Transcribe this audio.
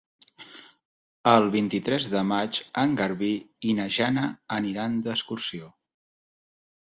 El vint-i-tres de maig en Garbí i na Jana aniran d'excursió.